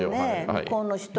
向こうの人は。